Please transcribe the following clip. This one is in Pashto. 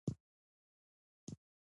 هیڅکله تسلیم نه شو.